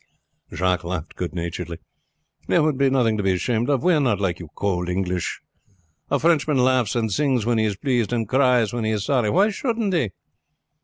Jacques laughed good temperedly. "There would be nothing to be ashamed of. We are not like you cold English! A Frenchman laughs and sings when he is pleased, and cries when he is sorry. Why shouldn't he?"